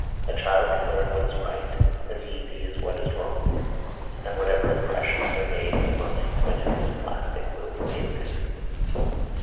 A child can learn what is right as easy as what is wrong and whatever impressions are made on the mind when it is plastic will remain there.